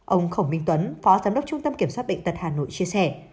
ông khổng minh tuấn phó giám đốc trung tâm kiểm soát bệnh tật hà nội chia sẻ